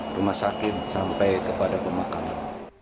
mulai dari rumah sakit sampai kepada pemakaman